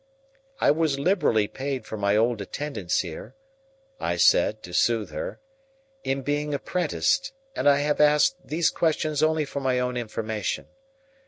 "I was liberally paid for my old attendance here," I said, to soothe her, "in being apprenticed, and I have asked these questions only for my own information.